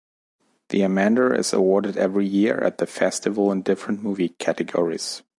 The Amanda is awarded every year at the festival in different movie categories.